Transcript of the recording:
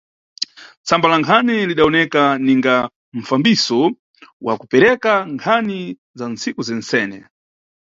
Tsamba la nkhani lidawoneka ninga mfambiso wa kupereka nkhani za nntsiku zentsene.